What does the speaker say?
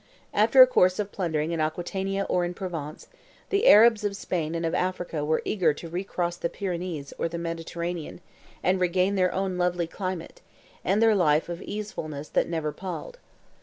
After a course of plundering in Aquitania or in Provence, the Arabs of Spain and of Africa were eager to recross the Pyrenees or the Mediterranean, and regain their own lovely climate, and their life of easefulness that never palled.